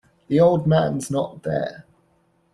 The old man's not there.